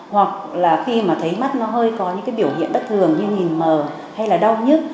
hoặc là khi mà thấy mắt nó hơi có những cái biểu hiện bất thường như nhìn mờ hay là đau nhức